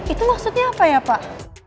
itu maksudnya apa ya pak